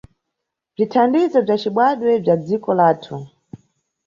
Bzithandizo bza cibadwe bza dziko lathu.